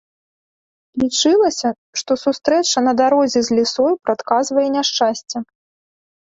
Лічылася, што сустрэча на дарозе з лісой прадказвае няшчасце.